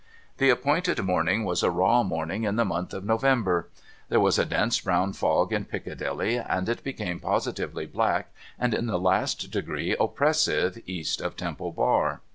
The appointed morning was a raw morning in the month of November. There Avas a dense brown fog in Piccadilly, and it became positively lilack and in the last degree oppressive East of Temple Bar.